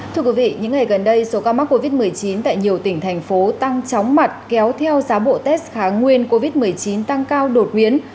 thưa quý vị những ngày gần đây số ca mắc covid một mươi chín tại nhiều tỉnh thành phố tăng chóng mặt kéo theo giá bộ test kháng nguyên covid một mươi chín tăng cao đột biến